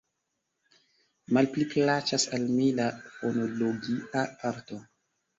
Malpli plaĉas al mi la fonologia parto.